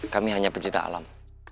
kami hanya pencinta alam